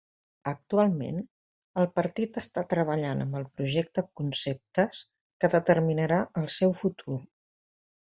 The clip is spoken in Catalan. Actualment, el partit està treballant en el projecte Conceptes que determinarà el seu futur.